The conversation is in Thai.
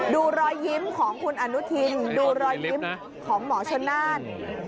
ดูรอยยิ้มของคุณอนุทินดูรอยยิ้มของหมอชนน่าน